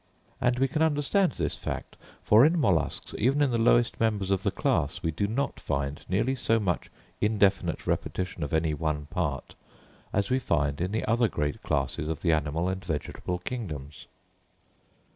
And we can understand this fact; for in molluscs, even in the lowest members of the class, we do not find nearly so much indefinite repetition of any one part as we find in the other great classes of the animal and vegetable kingdoms.